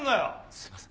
すいません。